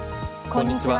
こんにちは。